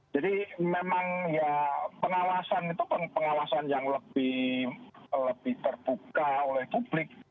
jadi memang ya pengawasan itu pengawasan yang lebih terbuka oleh publik